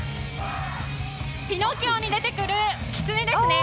ピノキオに出てくるキツネですね。